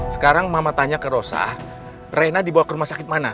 sekarang mama tanya ke rosa rena dibawa ke rumah sakit mana